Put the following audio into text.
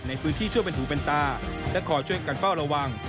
ในพื้นที่ช่วยเป็นหูเป็นตาและคอยช่วยกันเฝ้าระวัง